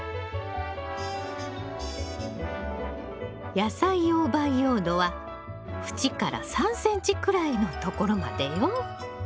野菜用培養土は縁から３ｃｍくらいのところまでよ。